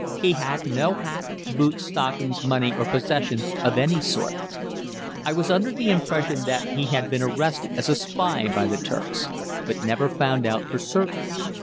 He had no hat, boots, stockings, money, or possessions of any sort. I was under the impression that he had been arrested as a spy by the Turks, but never found out for certain.